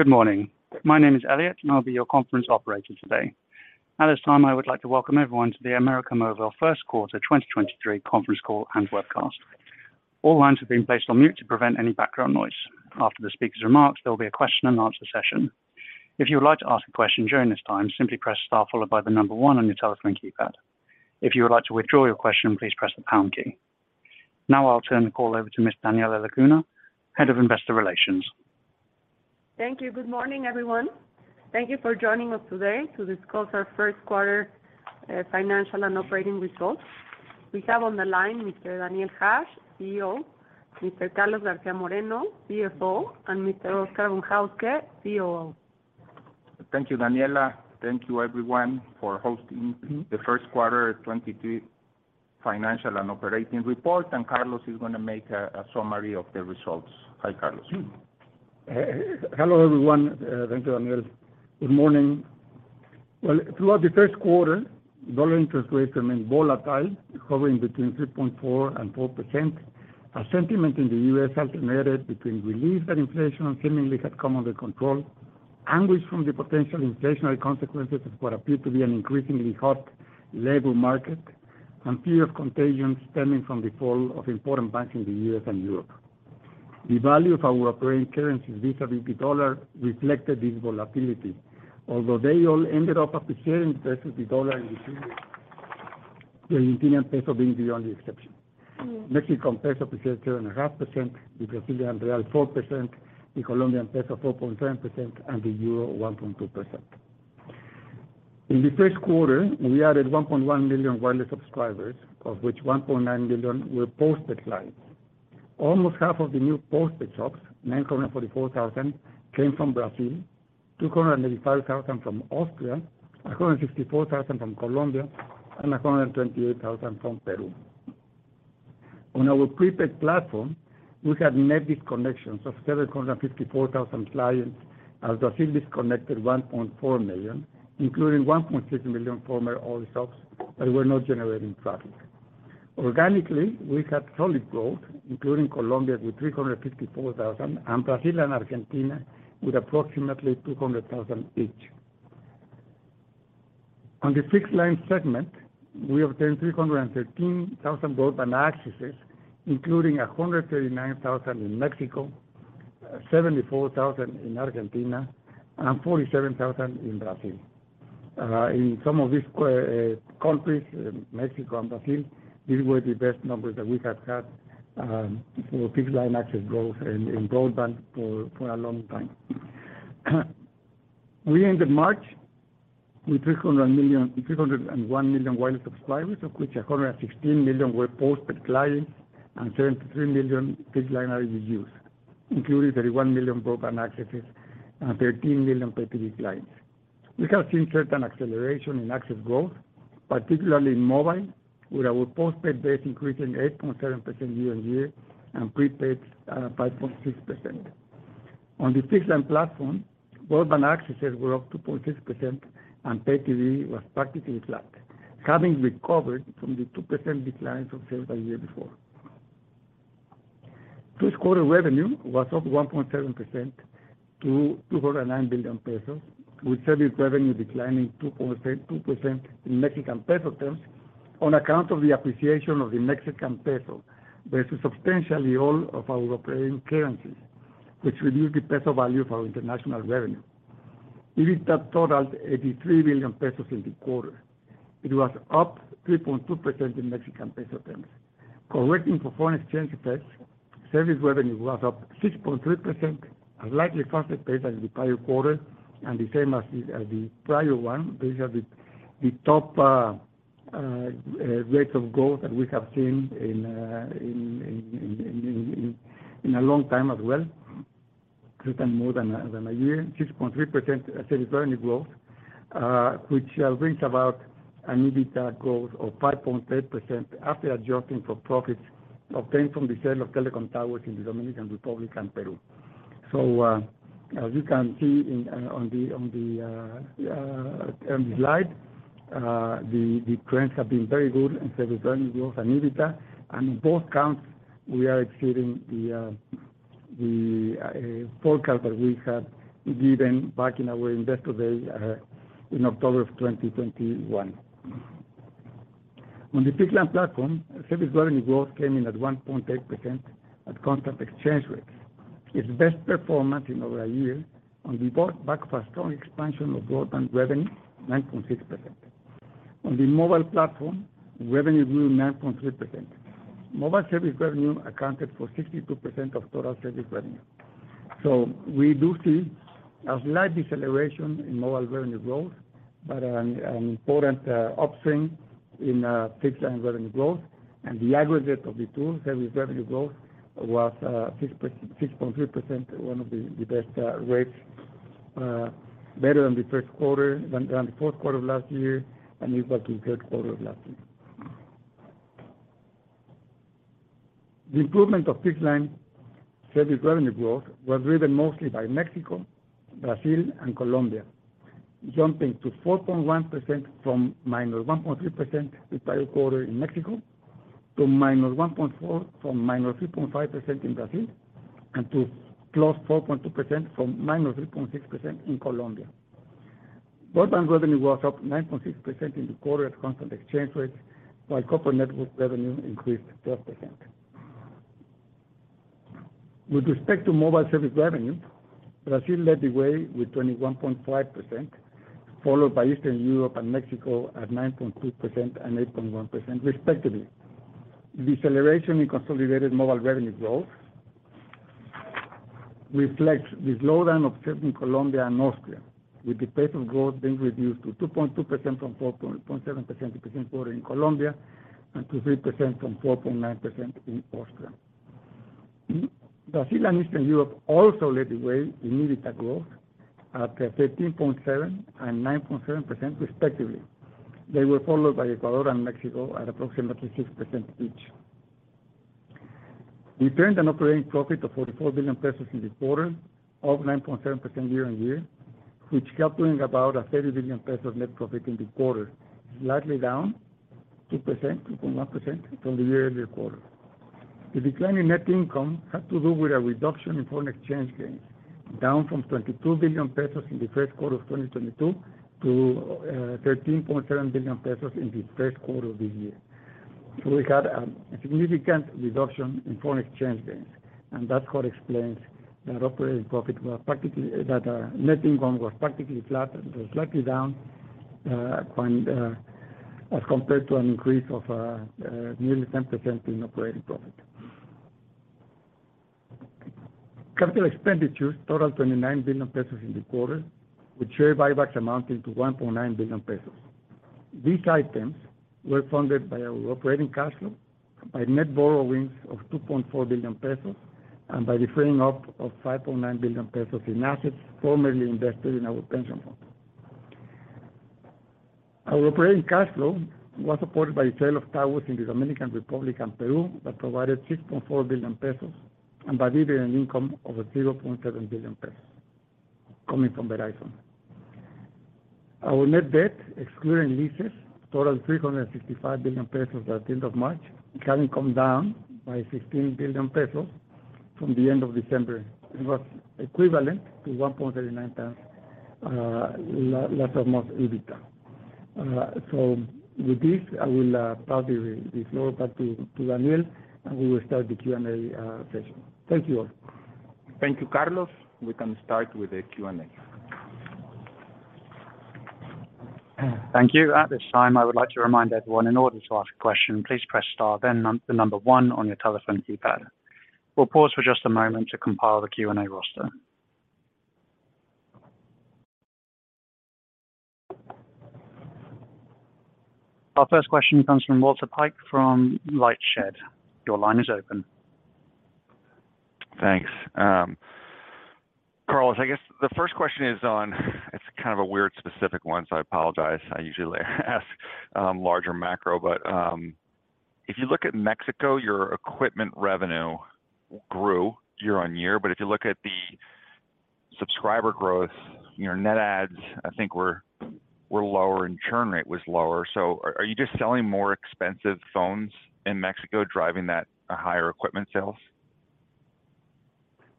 Good morning. My name is Elliot, and I'll be your conference operator today. At this time, I would like to welcome everyone to the América Móvil first quarter 2023 conference call and webcast. All lines have been placed on mute to prevent any background noise. After the speaker's remarks, there will be a question and answer session. If you would like to ask a question during this time, simply press star followed by the number one on your telephone keypad. If you would like to withdraw your question, please press the pound key. Now I'll turn the call over to Ms. Daniela Lecuona, Head of Investor Relations. Thank you. Good morning, everyone. Thank you for joining us today to discuss our first quarter, financial and operating results. We have on the line Mr. Daniel Hajj, CEO; Mr. Carlos García Moreno, CFO; and Mr. Oscar Von Hauske, COO. Thank you, Daniela. Thank you everyone for hosting the first quarter 2022 financial and operating report. Carlos is going to make a summary of the results. Hi, Carlos. Mm. Hello everyone. Thank you, Daniel. Good morning. Well, throughout the first quarter, USD interest rates remained volatile, hovering between 3.4% and 4%. A sentiment in the U.S. alternated between relief that inflation seemingly had come under control, anguish from the potential inflationary consequences of what appeared to be an increasingly hot labor market, and fear of contagion stemming from the fall of important banks in the U.S. and Europe. The value of our operating currencies vis-a-vis USD reflected this volatility, although they all ended up appreciating versus the USD, the Argentinian peso being the only exception. Mexican peso appreciated 2.5%, the Brazilian real 4%, the Colombian peso 4.10%, and the euro 1.2%. In the first quarter, we added 1.1 million wireless subscribers, of which 1.9 million were postpaid clients. Almost half of the new postpaid shops, 944,000, came from Brazil, 295,000 from Austria, 164,000 from Colombia, and 128,000 from Peru. On our prepaid platform, we had net disconnects of 754,000 clients as Brazil disconnected 1.4 million, including 1.6 million former RGUs that were not generating traffic. Organically, we had solid growth, including Colombia with 354,000 and Brazil and Argentina with approximately 200,000 each. On the fixed line segment, we obtained 313,000 broadband accesses, including 139,000 in Mexico, 74,000 in Argentina, and 47,000 in Brazil. In some of these countries, Mexico and Brazil, these were the best numbers that we have had for fixed line access growth in broadband for a long time. We ended March with 301 million wireless subscribers, of which 116 million were postpaid clients and 73 million fixed line RGUs, including 31 million broadband accesses and 13 million pay TV clients. We have seen certain acceleration in access growth, particularly in mobile, with our postpaid base increasing 8.7% year-over-year and prepaid 5.6%. On the fixed line platform, broadband accesses were up 2.6% and pay TV was practically flat, having recovered from the 2% decline from sales the year before. First quarter revenue was up 1.7% to 209 billion pesos, with service revenue declining 2% in Mexican peso terms on account of the appreciation of the Mexican peso versus substantially all of our operating currencies, which reduced the peso value of our international revenue. EBITDA totaled 83 billion pesos in the quarter. It was up 3.2% in Mexican peso terms. Correcting for foreign exchange effects, service revenue was up 6.3%, a slightly faster pace than the prior quarter and the same as the prior one. These are the top rates of growth that we have seen in a long time as well, certain more than a year. 6.3% service revenue growth, which reached about an EBITDA growth of 5.3% after adjusting for profits obtained from the sale of telecom towers in the Dominican Republic and Peru. As you can see on the slide, the trends have been very good in service revenue growth and EBITDA. In both counts, we are exceeding the forecast that we had given back in our Investor Day in October 2021. On the fixed line platform, service revenue growth came in at 1.8% at constant exchange rates, its best performance in over a year on the back of a strong expansion of broadband revenue, 9.6%. On the mobile platform, revenue grew 9.3%. Mobile service revenue accounted for 62% of total service revenue. We do see a slight deceleration in mobile revenue growth, but an important upswing in fixed-line revenue growth. The aggregate of the two service revenue growth was 6.3%, one of the best rates better than the first quarter than the fourth quarter of last year, and even the third quarter of last year. The improvement of fixed-line service revenue growth was driven mostly by Mexico, Brazil, and Colombia. Jumping to 4.1% from -1.3% the prior quarter in Mexico, to -1.4% from -3.5% in Brazil, and to +4.2% from -3.6% in Colombia. Broadband revenue was up 9.6% in the quarter at constant exchange rates, while corporate network revenue increased 12%. With respect to mobile service revenue, Brazil led the way with 21.5%, followed by Eastern Europe and Mexico at 9.2% and 8.1% respectively. Deceleration in consolidated mobile revenue growth reflects the slowdown observed in Colombia and Austria, with the pace of growth being reduced to 2.2% from 4.7% the previous quarter in Colombia, and to 3% from 4.9% in Austria. Brazil and Eastern Europe also led the way in EBITDA growth at 13.7% and 9.7% respectively. They were followed by Ecuador and Mexico at approximately 6% each. We turned an operating profit of 44 billion pesos in this quarter, up 9.7% year-on-year, which equaling about a 30 billion pesos net profit in the quarter, slightly down 2.1% from the year-earlier quarter. The decline in net income had to do with a reduction in foreign exchange gains, down from 22 billion pesos in the first quarter of 2022 to 13.7 billion pesos in the first quarter of this year. We had a significant reduction in foreign exchange gains, and that's what explains that operating profit was practically. That net income was practically flat, slightly down, when as compared to an increase of nearly 10% in operating profit. CapEx totaled 29 billion pesos in the quarter, with share buybacks amounting to 1.9 billion pesos. These items were funded by our operating cash flow, by net borrowings of 2.4 billion pesos, and by the freeing up of 5.9 billion pesos in assets formerly invested in our pension fund. Our operating cash flow was supported by the sale of towers in the Dominican Republic and Peru that provided 6.4 billion pesos, and by dividend income of 0.7 billion pesos coming from Verizon. Our net debt, excluding leases, totaled 365 billion pesos at the end of March, having come down by 16 billion pesos from the end of December. It was equivalent to 1.39 times last of most EBITDA. With this, I will pass the floor back to Daniel, and we will start the Q&A session. Thank you all. Thank you, Carlos. We can start with the Q&A. Thank you. At this time, I would like to remind everyone, in order to ask a question, please press star then the number one on your telephone keypad. We'll pause for just a moment to compile the Q&A roster. Our first question comes from Walter Piecyk from LightShed. Your line is open. Thanks. Carlos, I guess the first question is on, it's kind of a weird specific one, so I apologize. I usually ask, larger macro. If you look at Mexico, your equipment revenue grew year-on-year. If you look at the subscriber growth, your net adds I think were lower and churn rate was lower. Are you just selling more expensive phones in Mexico, driving that higher equipment sales?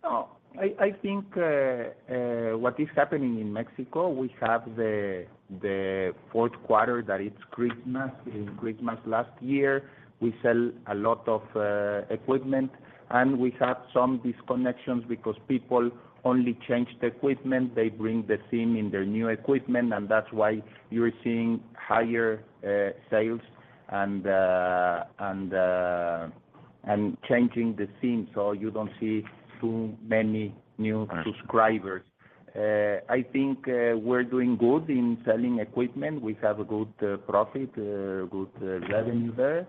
No. I think what is happening in Mexico, we have the fourth quarter that it's Christmas. In Christmas last year, we sell a lot of equipment, and we have some disconnections because people only change the equipment. They bring the SIM in their new equipment, and that's why you're seeing higher sales and changing the SIM so you don't see too many new subscribers. Got it. I think we're doing good in selling equipment. We have a good profit, good revenue there.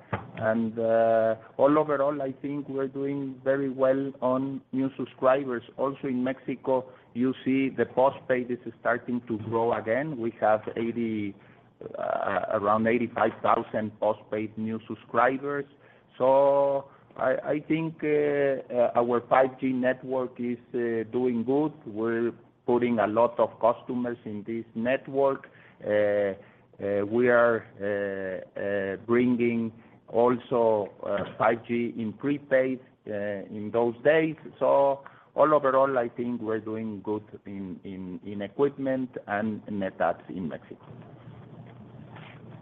Overall, I think we're doing very well on new subscribers. Also in Mexico, you see the postpaid is starting to grow again. We have around 85,000 postpaid new subscribers. I think our 5G network is doing good. We're putting a lot of customers in this network. We are bringing also 5G in prepaid in those days. Overall, I think we're doing good in equipment and net adds in Mexico.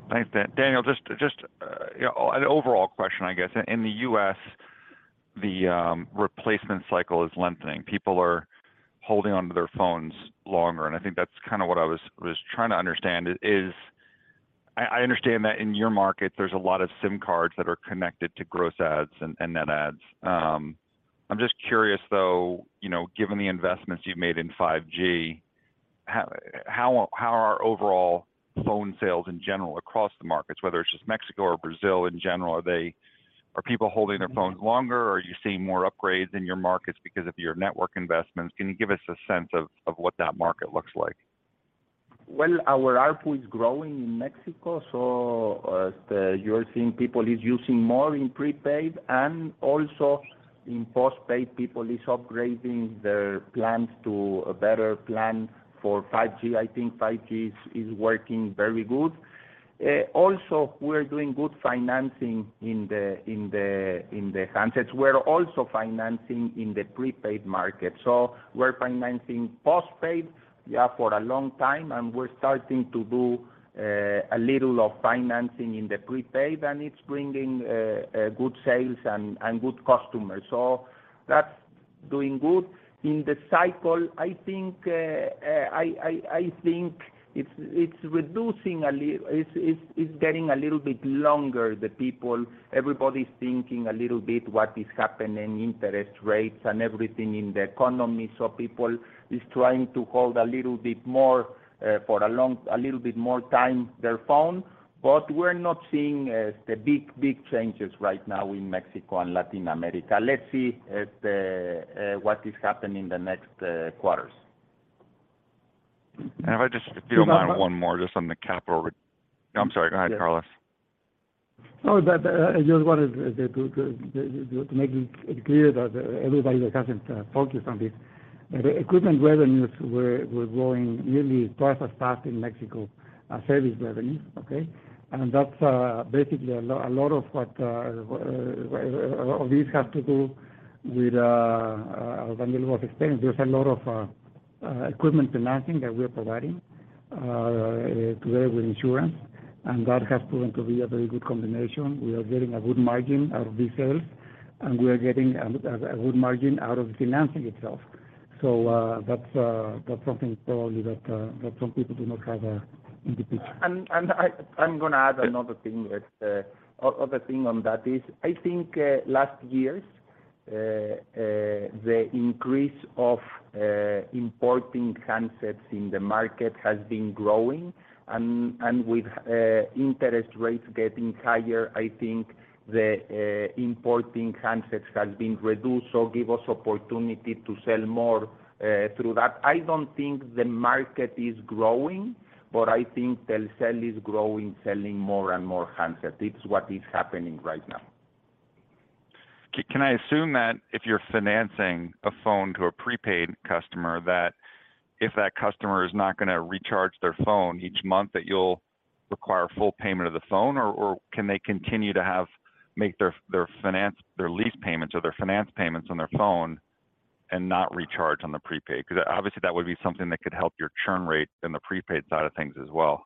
Thanks, Daniel, just, you know, an overall question, I guess. In the U.S., the replacement cycle is lengthening. People are holding onto their phones longer, and I think that's kinda what I was trying to understand is I understand that in your markets, there's a lot of SIM cards that are connected to gross adds and net adds. I'm just curious, though, you know, given the investments you've made in 5G, how are overall phone sales in general across the markets, whether it's just Mexico or Brazil in general, are people holding their phones longer, or are you seeing more upgrades in your markets because of your network investments? Can you give us a sense of what that market looks like? Well, our ARPU is growing in Mexico, as you're seeing people is using more in prepaid and also in postpaid, people is upgrading their plans to a better plan for 5G. I think 5G is working very good. Also, we're doing good financing in the handsets. We're also financing in the prepaid market. We're financing postpaid, yeah, for a long time, and we're starting to do a little of financing in the prepaid, and it's bringing good sales and good customers. That's doing good. In the cycle, I think, I think it's reducing it's getting a little bit longer, the people. Everybody's thinking a little bit what is happening, interest rates and everything in the economy, people is trying to hold a little bit more, for a little bit more time their phone. We're not seeing as the big changes right now in Mexico and Latin America. Let's see as the, what is happening in the next quarters. If I just, if you don't mind... Go on. One more, just on the capital. I'm sorry. Go ahead, Carlos. No, but I just wanted to make it clear that everybody that hasn't focused on this. The equipment revenues were growing nearly twice as fast in Mexico as service revenues. Okay? That's basically a lot of what all this has to do with, as Daniel was explaining, there's a lot of equipment financing that we're providing together with insurance, and that has proven to be a very good combination. We are getting a good margin out of these sales, and we are getting a good margin out of the financing itself. That's something probably that some people do not have in the picture. I'm gonna add another thing with other thing on that is I think last years the increase of importing handsets in the market has been growing and with interest rates getting higher, I think the importing handsets has been reduced, so give us opportunity to sell more through that. I don't think the market is growing, but I think Telcel is growing, selling more and more handsets. It's what is happening right now. Can I assume that if you're financing a phone to a prepaid customer, that if that customer is not gonna recharge their phone each month, that you'll require full payment of the phone? Or can they continue to make their finance, their lease payments or their finance payments on their phone and not recharge on the prepaid? 'Cause obviously, that would be something that could help your churn rate in the prepaid side of things as well.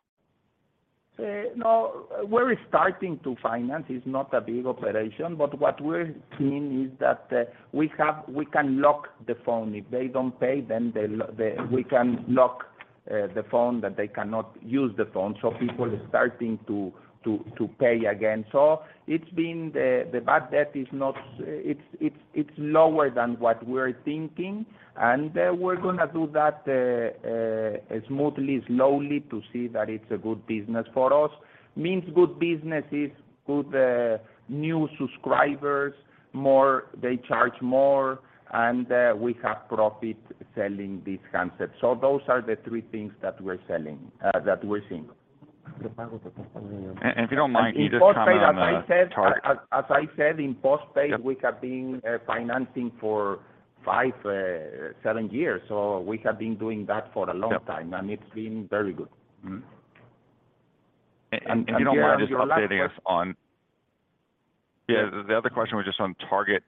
No, we're starting to finance. It's not a big operation, but what we're seeing is that we can lock the phone. If they don't pay, we can lock the phone, that they cannot use the phone. People are starting to pay again. The bad debt is lower than what we're thinking, and we're gonna do that smoothly, slowly to see that it's a good business for us. Means good business is good new subscribers, they charge more, and we have profit selling these handsets. Those are the three things that we're selling, that we're seeing. If you don't mind, can you just kinda? As I said, in postpaid. Yeah. We have been financing for five, seven years. We have been doing that for a long time. Yeah. It's been very good. Mm-hmm. if you don't mind just updating us on Yeah. The other question was just on target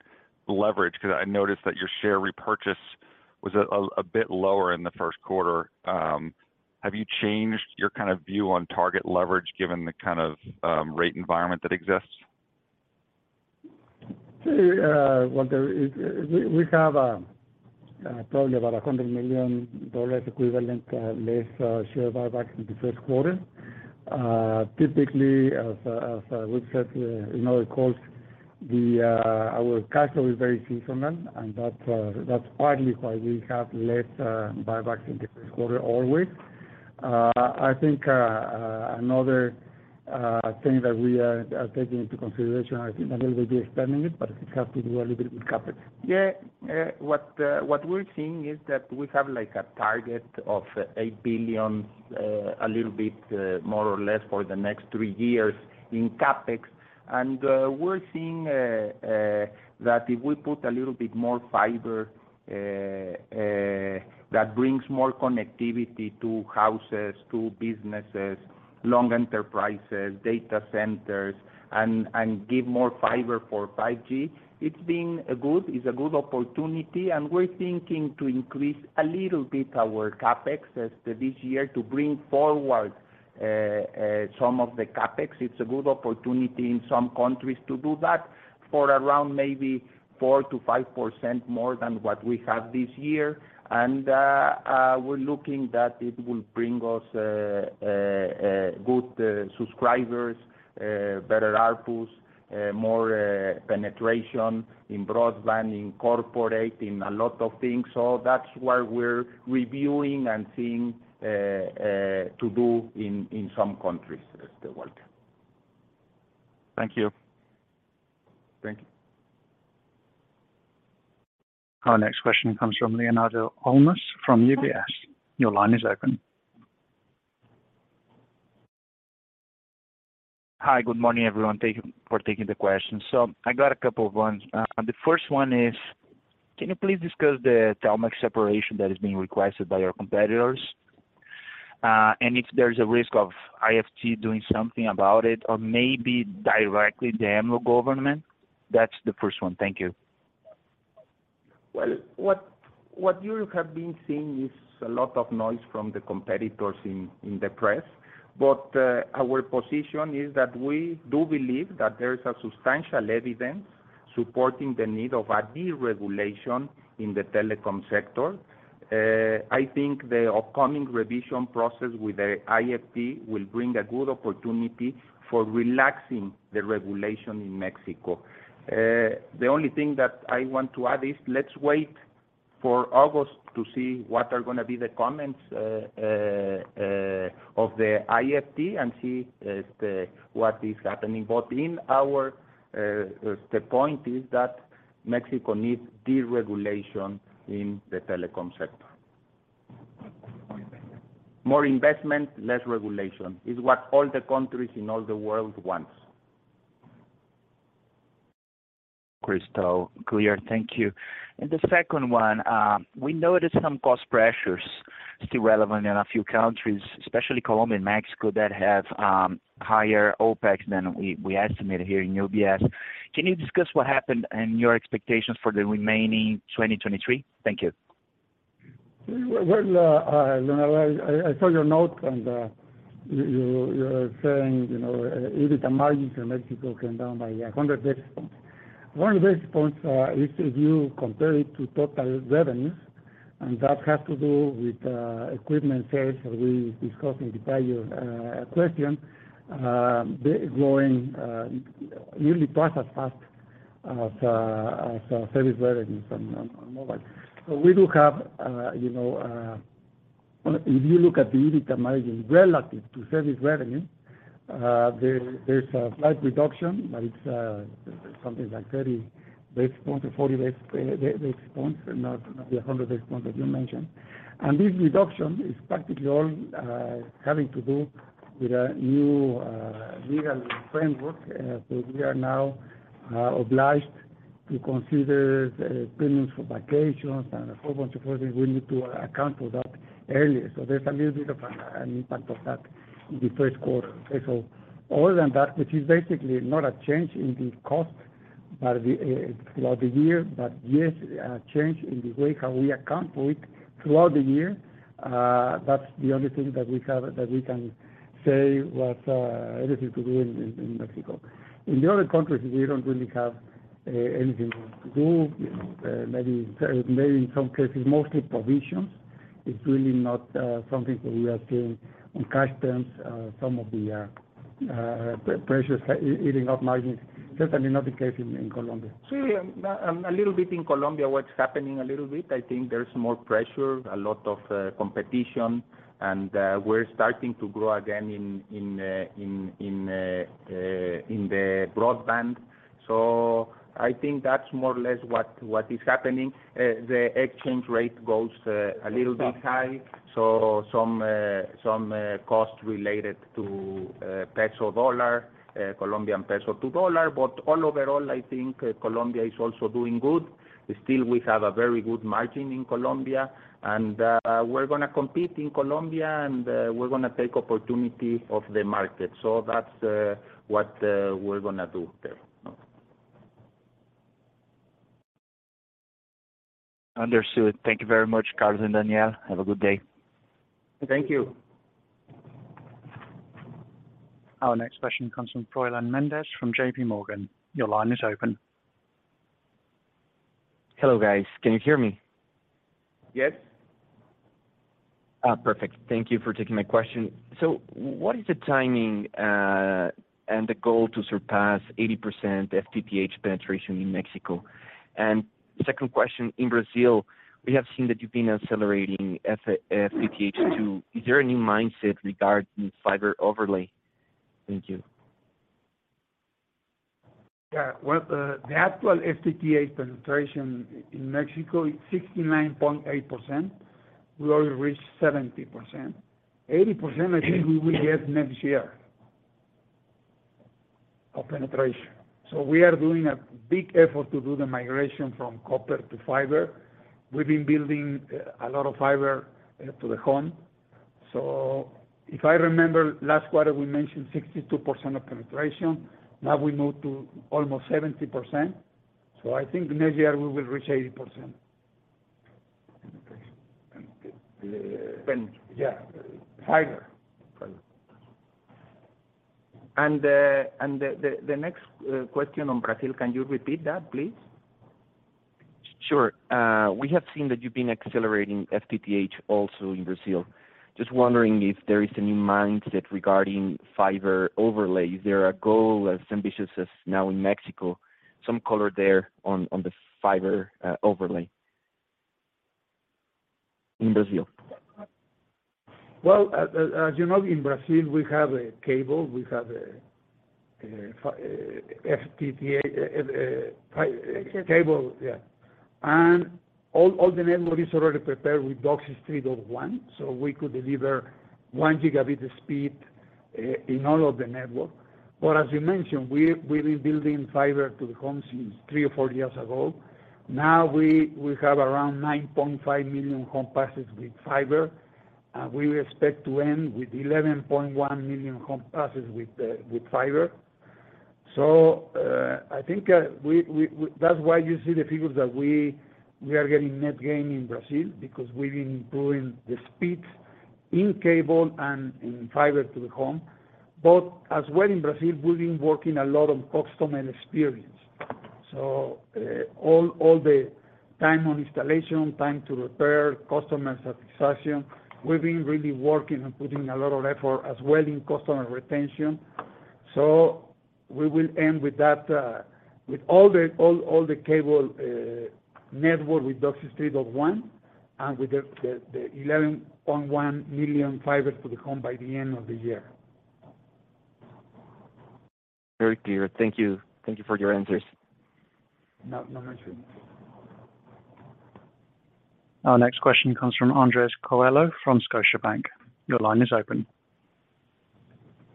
leverage, 'cause I noticed that your share repurchase was a bit lower in the first quarter. Have you changed your kind of view on target leverage given the kind of rate environment that exists? Well, we have probably about $100 million equivalent less share buyback in the first quarter. Typically as we've said in other calls, our cash flow is very seasonal, that's partly why we have less buybacks in the first quarter always. I think another thing that we are taking into consideration, I think Daniel will be explaining it has to do a little bit with CapEx. Yeah. What we're seeing is that we have like a target of $8 billion, a little bit, more or less for the next three years in CapEx. We're seeing that if we put a little bit more fiber, that brings more connectivity to houses, to businesses, long enterprises, data centers, and give more fiber for 5G, it's been a good, it's a good opportunity, and we're thinking to increase a little bit our CapEx as to this year to bring forward, some of the CapEx. It's a good opportunity in some countries to do that for around maybe 4%-5% more than what we have this year. We're looking that it will bring us good subscribers, better ARPUs, more penetration in broadband, in corporate, in a lot of things. That's why we're reviewing and seeing to do in some countries as well. Thank you. Thank you. Our next question comes from Leonardo Olmos from UBS. Your line is open. Hi. Good morning, everyone. Thank you for taking the questions. I got a couple of ones. The first one is, can you please discuss the Telmex separation that is being requested by your competitors? And if there's a risk of IFT doing something about it or maybe directly the AMLO government? That's the first one. Thank you. Well, what you have been seeing is a lot of noise from the competitors in the press. Our position is that we do believe that there is substantial evidence supporting the need of a deregulation in the telecom sector. I think the upcoming revision process with the IFT will bring a good opportunity for relaxing the regulation in Mexico. The only thing that I want to add is let's wait for August to see what are gonna be the comments of the IFT and see what is happening. The point is that Mexico needs deregulation in the telecom sector. More investment, less regulation is what all the countries in all the world wants. Crystal clear. Thank you. The second one, we noticed some cost pressures still relevant in a few countries, especially Colombia and Mexico, that have higher OpEx than we estimated here in UBS. Can you discuss what happened and your expectations for the remaining 2023? Thank you. Leonardo, I saw your note, you're saying, you know, EBITDA margins in Mexico came down by 100 basis points. One basis points, if you compare it to total revenues, that has to do with equipment sales that we discussed in the prior question, they're growing nearly twice as fast as service revenues on mobile. We do have, you know, If you look at the EBITDA margin relative to service revenue, there's a slight reduction, it's something like 30 basis points or 40 basis points, not the 100 basis points that you mentioned. This reduction is practically all having to do with a new legal framework. We are now obliged to consider premiums for vacations and a whole bunch of things. We need to account for that earlier. There's a little bit of an impact of that in the first quarter. Other than that, which is basically not a change in the cost by the throughout the year, but yes, a change in the way how we account for it throughout the year, that's the only thing that we have, that we can say was related to doing in Mexico. In the other countries, we don't really have anything to do. You know, maybe in some cases, mostly provisions. It's really not something that we are seeing on cash terms, some of the pre-pressures eating up margins. Certainly not the case in Colombia. Yeah. A little bit in Colombia, what's happening a little bit, I think there's more pressure, a lot of competition, and we're starting to grow again in the broadband. I think that's more or less what is happening. The exchange rate goes a little bit high. Some costs related to peso-dollar, Colombian peso to dollar. Overall, I think Colombia is also doing good. Still, we have a very good margin in Colombia, and we're gonna compete in Colombia, and we're gonna take opportunity of the market. That's what we're gonna do there. Understood. Thank you very much, Carlos and Daniel. Have a good day. Thank you. Our next question comes from Froylan Mendez from JPMorgan. Your line is open. Hello, guys. Can you hear me? Yes. Perfect. Thank you for taking my question. What is the timing and the goal to surpass 80% FTTH penetration in Mexico? Second question, in Brazil, we have seen that you've been accelerating FTTH too. Is there a new mindset regarding fiber overlay? Thank you. Yeah. Well, the actual FTTH penetration in Mexico is 69.8%. We already reached 70%. 80% I think we will get next year of penetration. We are doing a big effort to do the migration from copper to fiber. We've been building a lot of fiber to the home. If I remember last quarter, we mentioned 62% of penetration. Now we move to almost 70%. I think next year we will reach 80%. Penetration. Yeah. Fiber. Fiber. And the next question on Brazil, can you repeat that, please? Sure. We have seen that you've been accelerating FTTH also in Brazil. Just wondering if there is a new mindset regarding fiber overlay. Is there a goal as ambitious as now in Mexico? Some color there on the fiber overlay. In Brazil. Well, as you know, in Brazil, we have a cable. We have a FTTH. Cable. Cable, yeah. All the network is already prepared with DOCSIS 3.1, so we could deliver 1 Gb speed in all of the network. As you mentioned, we've been building fiber to the home since three or four years ago. Now we have around 9.5 million home passes with fiber, and we expect to end with 11.1 million home passes with fiber. I think we... That's why you see the figures that we are getting net gain in Brazil, because we've been improving the speeds in cable and in fiber to the home. As well in Brazil, we've been working a lot on customer experience. All the time on installation, time to repair, customer satisfaction, we've been really working on putting a lot of effort as well in customer retention. We will end with that, with all the cable network with DOCSIS 3.1, and with the 11.1 million fibers to the home by the end of the year. Very clear. Thank you. Thank you for your answers. No, no worries. Our next question comes from Andres Coello from Scotiabank. Your line is open.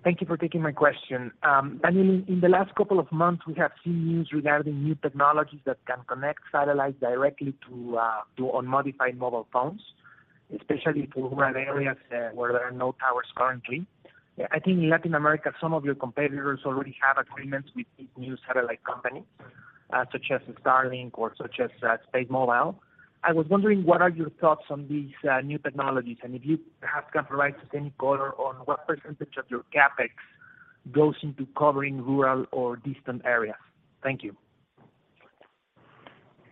Thank you for taking my question. Daniel, in the last couple of months, we have seen news regarding new technologies that can connect satellites directly to unmodified mobile phones, especially to rural areas, where there are no towers currently. I think in Latin America, some of your competitors already have agreements with these new satellite companies, such as Starlink or such as SpaceMobile. I was wondering, what are your thoughts on these new technologies? If you perhaps can provide us any color on what percentage of your CapEx goes into covering rural or distant areas? Thank you.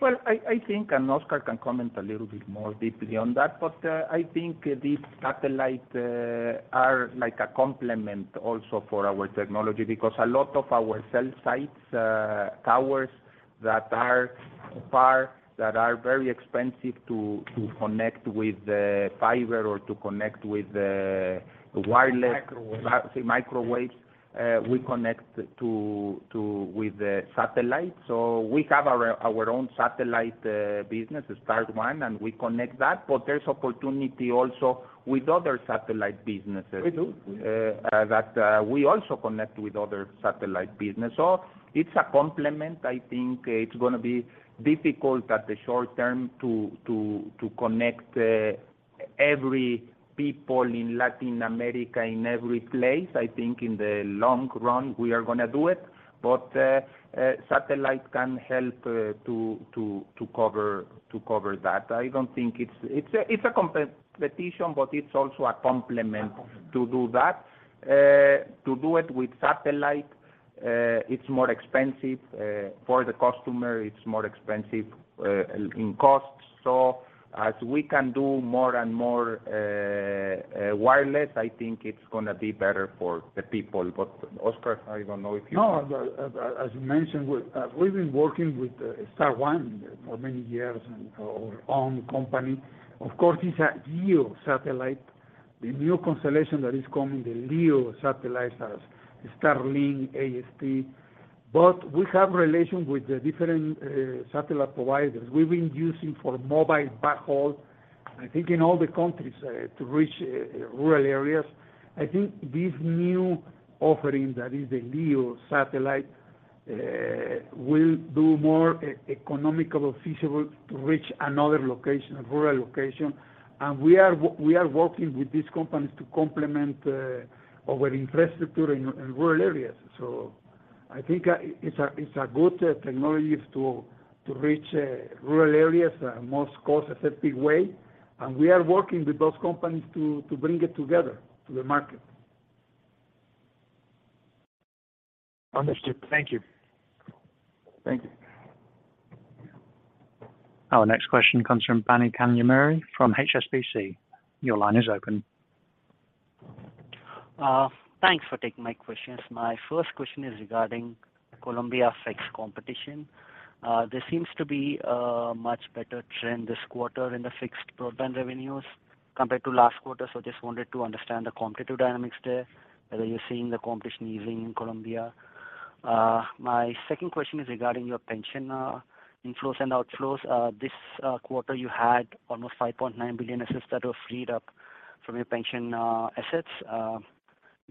I think, and Oscar Von Hauske can comment a little bit more deeply on that, but, I think these satellite, are like a complement also for our technology because a lot of our cell sites, towers that are far, that are very expensive to connect with, fiber or to connect with, wireless- Microwave. Perhaps, microwave. Yes. We connect to with the satellite. We have our own satellite business, Star One, and we connect that. There's opportunity also with other satellite businesses. We do. We do. That we also connect with other satellite business. It's a complement. I think it's gonna be difficult at the short term to connect every people in Latin America in every place. I think in the long run we are gonna do it. Satellite can help to cover that. I don't think it's a competition, but it's also a complement to do that. To do it with satellite, it's more expensive for the customer. It's more expensive in costs. As we can do more and more wireless, I think it's gonna be better for the people. Oscar, I don't know if you- No, as you mentioned, we're, we've been working with Star One for many years and our own company. Of course, it's a GEO satellite. The new constellation that is coming, the LEO satellites as Starlink, AST. We have relations with the different satellite providers. We've been using for mobile backhaul, I think in all the countries to reach rural areas. I think this new offering that is the LEO satellite will do more economical, feasible to reach another location, a rural location. We are working with these companies to complement our infrastructure in rural areas. I think it's a good technology to reach rural areas in a most cost-effective way. We are working with those companies to bring it together to the market. Understood. Thank you. Thank you. Our next question comes from Phani Kanumuri from HSBC. Your line is open. Thanks for taking my questions. My first question is regarding Colombia fixed competition. There seems to be a much better trend this quarter in the fixed broadband revenues compared to last quarter. Just wanted to understand the competitive dynamics there, whether you're seeing the competition easing in Colombia. My second question is regarding your pension inflows and outflows. This quarter, you had almost 5.9 billion assets that were freed up from your pension assets. You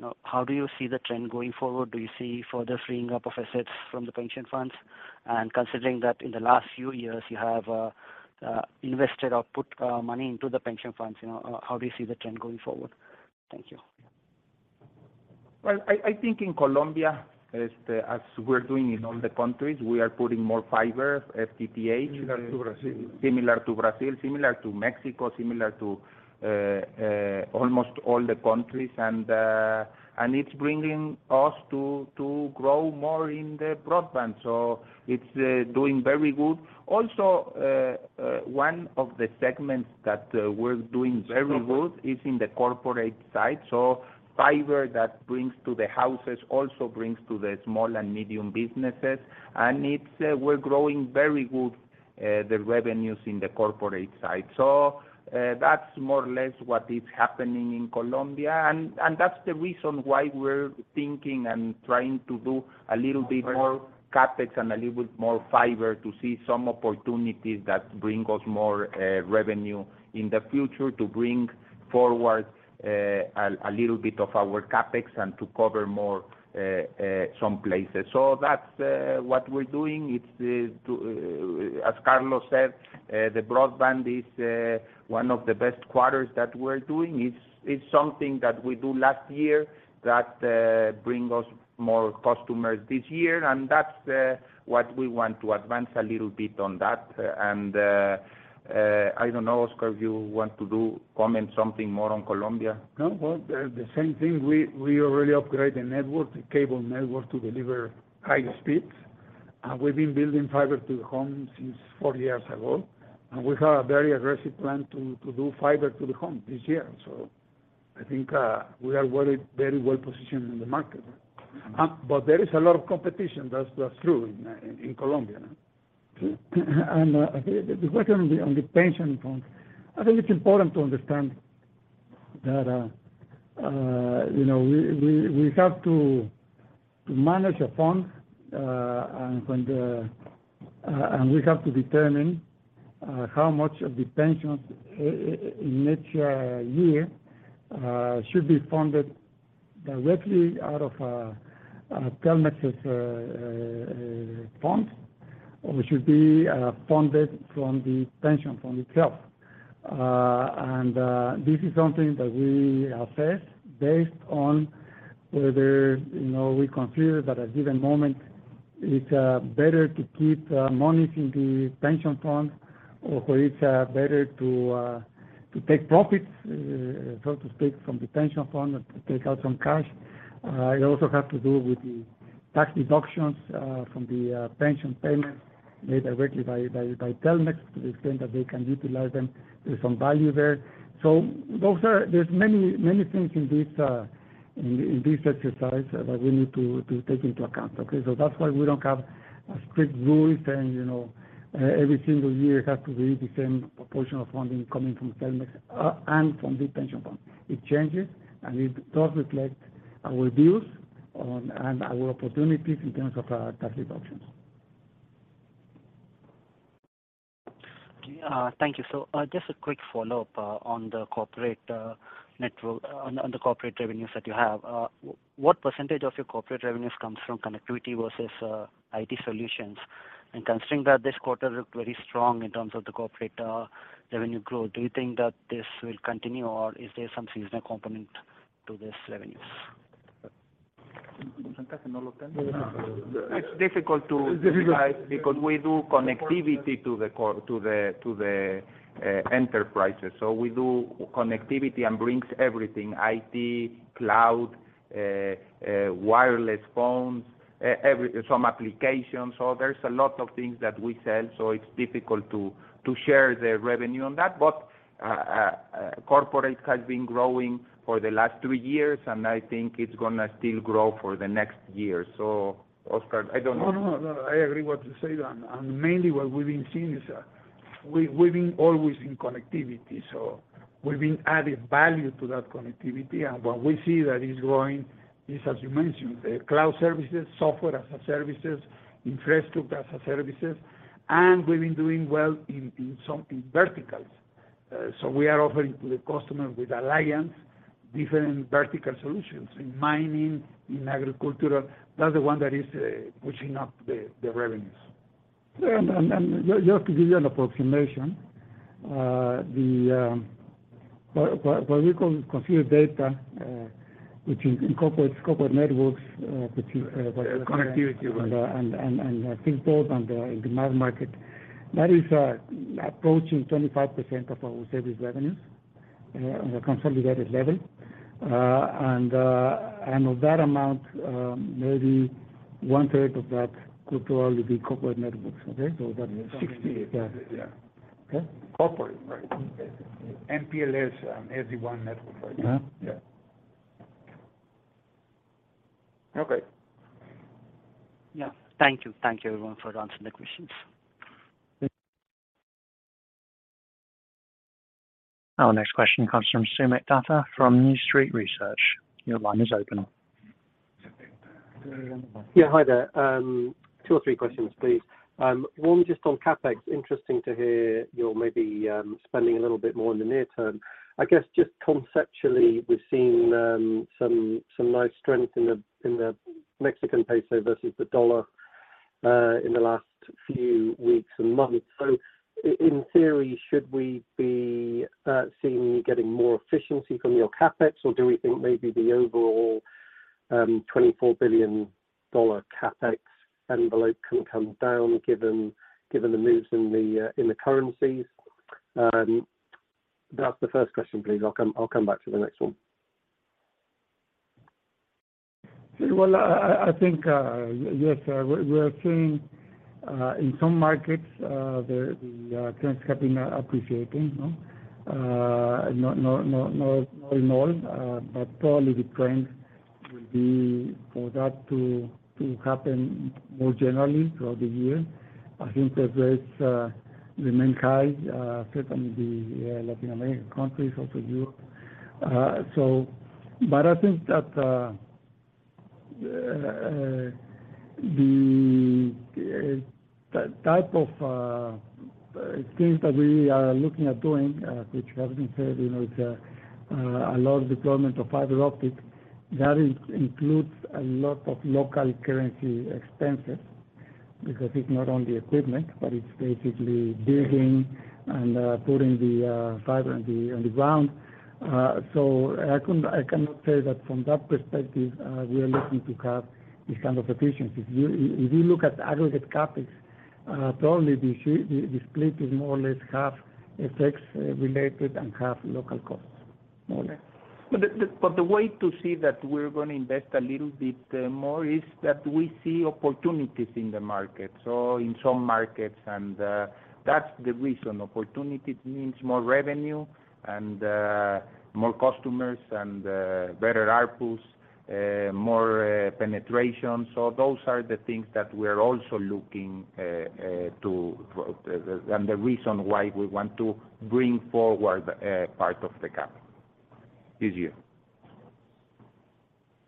know, how do you see the trend going forward? Do you see further freeing up of assets from the pension funds? Considering that in the last few years you have invested or put money into the pension funds, you know, how do you see the trend going forward? Thank you. Well, I think in Colombia, as we're doing in all the countries, we are putting more fiber, FTTH. Similar to Brazil. Similar to Brazil, similar to Mexico, similar to almost all the countries. It's bringing us to grow more in the broadband. It's doing very good. Also, one of the segments that we're doing very good is in the corporate side. Fiber that brings to the houses also brings to the small and medium businesses. It's, we're growing very good the revenues in the corporate side. That's more or less what is happening in Colombia. That's the reason why we're thinking and trying to do a little bit more CapEx and a little bit more fiber to see some opportunities that bring us more revenue in the future to bring forward a little bit of our CapEx and to cover more some places. That's what we're doing. It's to, as Carlos said, the broadband is one of the best quarters that we're doing. It's something that we do last year that bring us more customers this year, and that's what we want to advance a little bit on that. I don't know, Oscar, if you want to do comment something more on Colombia. No. Well, the same thing. We already upgrade the network, the cable network to deliver high speeds. We've been building fiber to the home since four years ago. We have a very aggressive plan to do fiber to the home this year. I think, we are very well positioned in the market. There is a lot of competition, that's true in Colombia. I think the question on the pension front, I think it's important to understand that, you know, we have to manage a fund, and we have to determine how much of the pensions in next year should be funded directly out of Telmex's fund, or should be funded from the pension fund itself. This is something that we assess based on whether, you know, we consider that a given moment, it's better to keep money in the pension fund or it's better to take profits, so to speak, from the pension fund to take out some cash. It also have to do with the tax deductions from the pension payments made directly by Telmex to the extent that they can utilize them. There's some value there. Those are, there's many, many things in this, in this exercise that we need to take into account. Okay? That's why we don't have a strict rule saying, you know, every single year has to be the same proportion of funding coming from Telmex and from the pension fund. It changes, and it does reflect our views on and our opportunities in terms of tax deductions. Okay. Thank you. Just a quick follow-up on the corporate network... on the corporate revenues that you have. What percentage of your corporate revenues comes from connectivity versus IT solutions? Considering that this quarter looked very strong in terms of the corporate revenue growth, do you think that this will continue, or is there some seasonal component to this revenues? It's difficult to decide because we do connectivity to the enterprises. We do connectivity and brings everything, IT, cloud, wireless phones, some applications. There's a lot of things that we sell, so it's difficult to share the revenue on that. Corporate has been growing for the last two years, and I think it's gonna still grow for the next year. Oscar, I don't know. No, no. I agree what you say. Mainly what we've been seeing is, we've been always in connectivity. We've been adding value to that connectivity. What we see that is growing is, as you mentioned, cloud services, software as a services, infrastructure as a services, and we've been doing well in some verticals. We are offering to the customer with alliance, different vertical solutions in mining, in agricultural. That's the one that is pushing up the revenues. Just to give you an approximation, the what we consider data, which incorporates corporate networks, which is. Connectivity. Fixed phone and the mass market, that is approaching 25% of our service revenues on a consolidated level. Of that amount, maybe one third of that could well be corporate networks. Okay? That is 60. Yeah. Okay. Corporate, right. MPLS and SD-WAN network. Yeah. Yeah. Okay. Yeah. Thank you. Thank you everyone for answering the questions. Our next question comes from Soomit Datta from New Street Research. Your line is open. Yeah. Hi there. Two or three questions, please. One just on CapEx. Interesting to hear you're maybe spending a little bit more in the near term. I guess just conceptually, we've seen some nice strength in the Mexican peso versus the dollar in the last few weeks and months. In theory, should we be seeing you getting more efficiency from your CapEx, or do we think maybe the overall $24 billion CapEx envelope can come down given the moves in the currencies? That's the first question, please. I'll come back to the next one. Well, I think, yes, we are seeing in some markets, the trends have been appreciating, no? Not all, but probably the trendsBe for that to happen more generally throughout the year. I think the rates remain high, certainly the Latin American countries, also Europe. But I think that the type of things that we are looking at doing, which has been said, you know, is a lot of deployment of fiber optic. That includes a lot of local currency expenses, because it's not only equipment, but it's basically digging and putting the fiber on the ground. I cannot say that from that perspective, we are looking to have this kind of efficiency. If you look at aggregate CapEx, probably the split is more or less half FX related and half local costs, more or less. The way to see that we're gonna invest a little bit more is that we see opportunities in the market. In some markets and that's the reason. Opportunity means more revenue and more customers and better ARPUs, more penetration. Those are the things that we are also looking to and the reason why we want to bring forward part of the CapEx this year.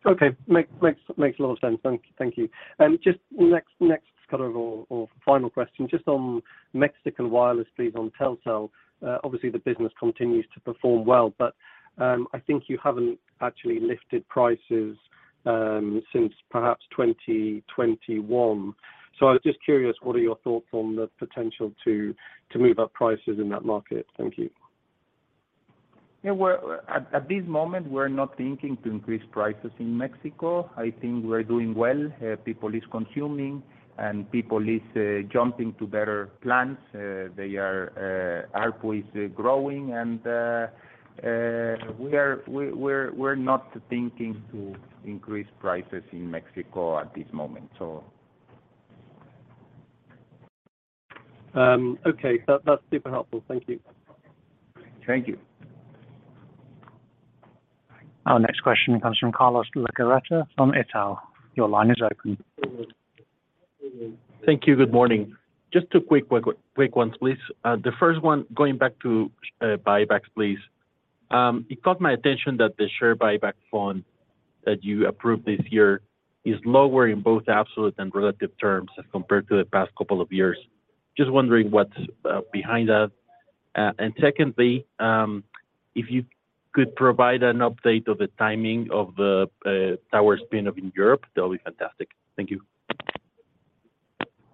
Okay. makes a lot of sense. Thank you. Just next kind of or final question, just on Mexican wireless, please, on Telcel. Obviously the business continues to perform well, but I think you haven't actually lifted prices since perhaps 2021. I was just curious, what are your thoughts on the potential to move up prices in that market? Thank you. At this moment, we're not thinking to increase prices in Mexico. I think we're doing well. people is consuming, and people is jumping to better plans. ARPU is growing and we're not thinking to increase prices in Mexico at this moment. Okay. That's super helpful. Thank you. Thank you. Our next question comes from Carlos de Legarreta from Itaú. Your line is open. Thank you. Good morning. Just two quick ones, please. The first one, going back to buybacks, please. It caught my attention that the share buyback fund that you approved this year is lower in both absolute and relative terms as compared to the past couple of years. Just wondering what's behind that. Secondly, if you could provide an update of the timing of the tower spin-off in Europe, that'll be fantastic. Thank you.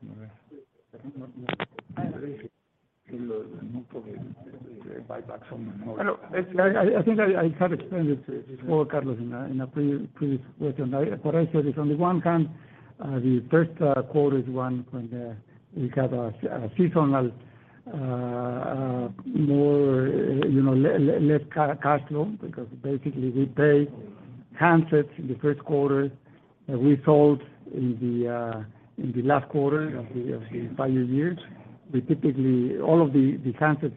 Buyback I know. I think I have explained it for Carlos in a previous question. What I said is on the one hand, the first quarter is one when we have a seasonal, more, you know, less cash flow because basically we pay handsets in the first quarter that we sold in the last quarter of the prior years. We typically, all of the handsets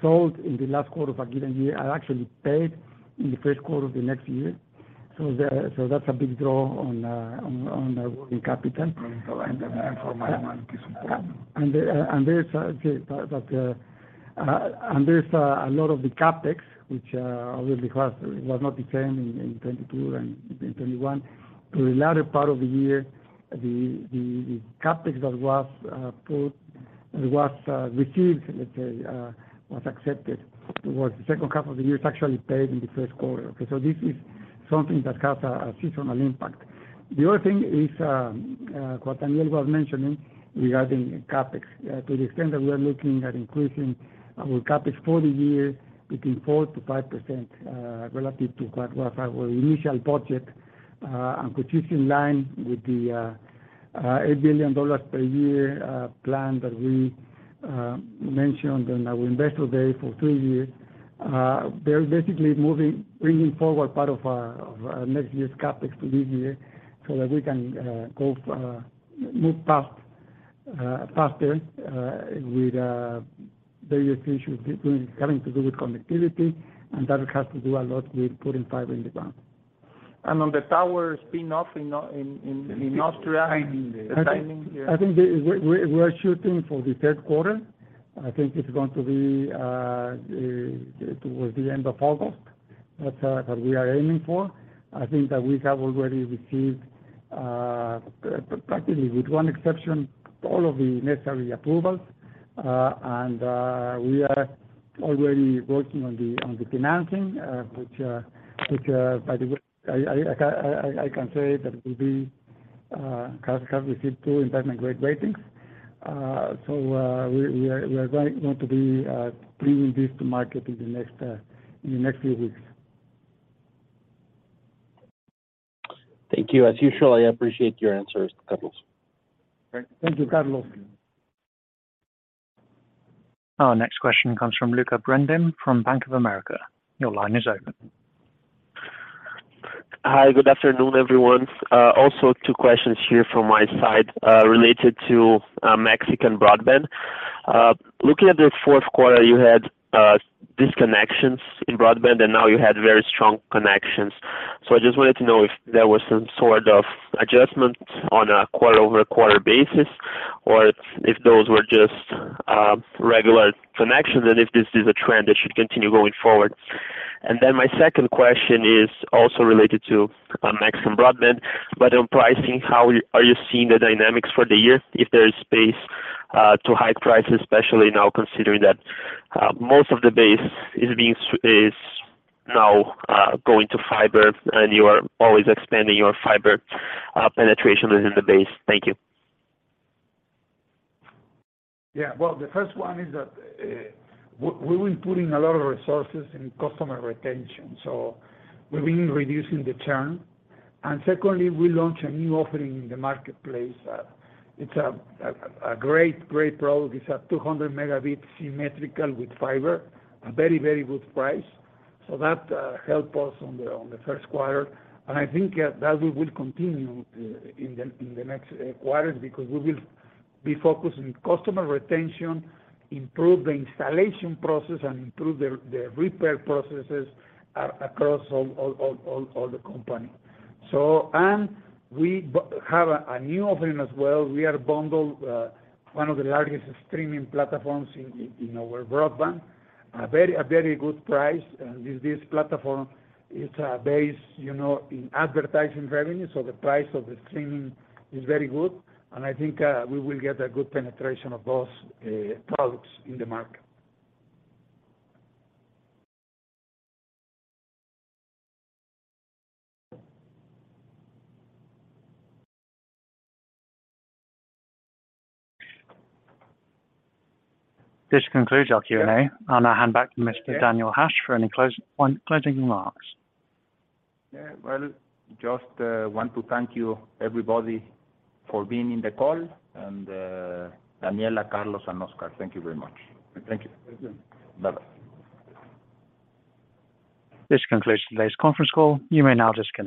sold in the last quarter of a given year are actually paid in the first quarter of the next year. That's a big draw on working capital. For margin, yes. There's a lot of the CapEx which obviously was not the same in 2022 and in 2021. For the latter part of the year, the CapEx that was put and was received, let's say, was accepted towards the second half of the year. It's actually paid in the first quarter. This is something that has a seasonal impact. The other thing is what Daniel Hajj was mentioning regarding CapEx. To the extent that we are looking at increasing our CapEx for the year between 4%-5%, relative to what was our initial budget, and consistent line with the $8 billion per year plan that we mentioned on our Investor Day for three years. moving, bringing forward part of our next year's CapEx to this year so that we can move fast, faster, with various issues having to do with connectivity, and that has to do a lot with putting fiber in the ground On the tower spin-off in Austria. The timing. The timing here. I think we're shooting for the third quarter. I think it's going to be towards the end of August. That's what we are aiming for. I think that we have already received practically with one exception, all of the necessary approvals, and we are already working on the financing, which, by the way, I can say that it will be KASKA received two investment-grade ratings. We are going to be bringing this to market in the next few weeks. Thank you. As usual, I appreciate your answers, Carlos. Thank you, Carlos. Our next question comes from Luka Brendemo from Bank of America. Your line is open. Hi. Good afternoon, everyone. Also two questions here from my side, related to Mexican broadband. Looking at the fourth quarter, you had disconnections in broadband, and now you had very strong connections. I just wanted to know if there was some sort of adjustment on a quarter-over-quarter basis or if those were just regular connections and if this is a trend that should continue going forward. My second question is also related to max and broadband, but on pricing, how are you seeing the dynamics for the year if there is space to hike prices, especially now considering that most of the base is now going to fiber and you are always expanding your fiber penetration within the base. Thank you. Well, the first one is that, we've been putting a lot of resources in customer retention, so we've been reducing the churn. Secondly, we launched a new offering in the marketplace. It's a great product. It's a 200 Mb symmetrical with fiber, a very good price. That helped us on the first quarter. I think that we will continue in the next quarters because we will be focused on customer retention, improve the installation process, and improve the repair processes across all the company. We have a new offering as well. We are bundled one of the largest streaming platforms in our broadband. A very good price. This platform is based, you know, in advertising revenue, so the price of the streaming is very good. I think, we will get a good penetration of those products in the market. This concludes our Q&A. Yeah. I'll now hand back to Mr. Daniel Hajj for any closing point, closing remarks. Yeah. Well, just, want to thank you everybody for being in the call. Daniela, Carlos, and Oscar, thank you very much. Thank you. Thank you. Bye-bye. This concludes today's conference call. You may now disconnect.